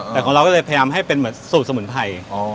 แต่ของเราก็เลยพยายามให้เป็นเหมือนสูตรสมุนไพร